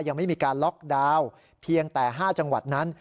ยังไม่มีการล็อกดาวน์เพียงแต่๕จังหวัดนั้น